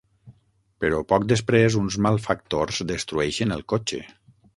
Però, poc després, uns malfactors destrueixen el cotxe.